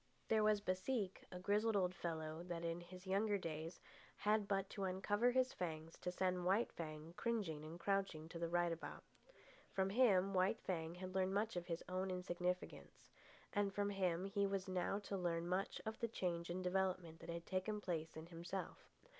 There was Baseek, a grizzled old fellow that in his younger days had but to uncover his fangs to send White Fang cringing and crouching to the right about. From him White Fang had learned much of his own insignificance; and from him he was now to learn much of the change and development that had taken place in himself.